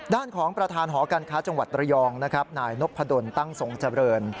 ด้านของประธานหอการค้าจังหวัดระยองนะครับนายนพดลตั้งทรงเจริญ